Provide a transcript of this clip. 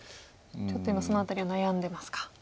ちょっと今その辺りを悩んでますか。